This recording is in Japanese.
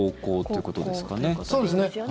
そうですね。